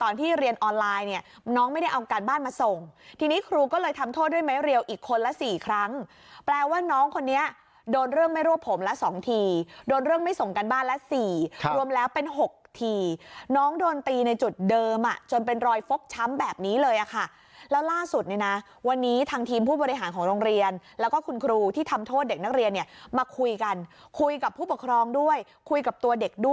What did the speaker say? เนี่ยน้องไม่ได้เอาการบ้านมาส่งทีนี้ครูก็เลยทำโทษด้วยไม้เรียวอีกคนละ๔ครั้งแปลว่าน้องคนนี้โดนเรื่องไม่รวบผมละ๒ทีโดนเรื่องไม่ส่งการบ้านละ๔รวมแล้วเป็น๖ทีน้องโดนตีในจุดเดิมจนเป็นรอยฟกช้ำแบบนี้เลยค่ะแล้วล่าสุดนะวันนี้ทางทีมผู้บริหารของโรงเรียนแล้วก็คุณครูที่ทำโทษเด็กนักเรียนเนี่ยมา